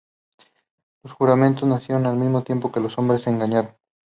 Los juramentos nacieron al mismo tiempo que los hombres se engañaron.